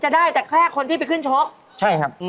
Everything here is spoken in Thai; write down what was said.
ได้เท่าแบบนี้ได้ครับ